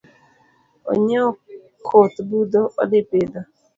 Onyiewo koth budho odhi pidho